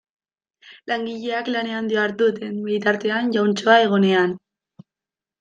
Langileak lanean diharduten bitartean jauntxoa egonean.